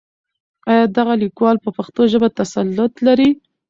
آيا دغه ليکوال په پښتو ژبه تسلط لري؟